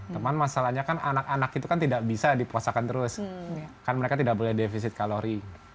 cuman masalahnya kan anak anak itu kan tidak bisa dipuasakan terus kan mereka tidak boleh defisit kalori